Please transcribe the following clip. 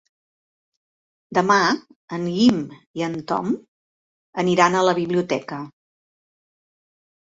Demà en Guim i en Tom aniran a la biblioteca.